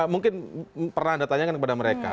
mungkin pernah ada tanya kepada mereka